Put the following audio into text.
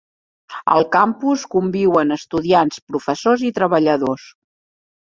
Al Campus conviuen estudiants, professors i treballadors